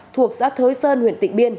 thuộc xã thới sơn huyện tịnh biên